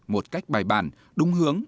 một cách bài bản đúng hướng